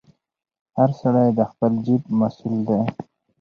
هر سړی د خپل جیب مسوول دی.